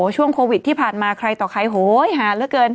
ช่วงโควิดที่ผ่านมาใครต่อใครโหยหาเหลือเกิน